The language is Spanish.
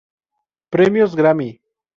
Premios Grammy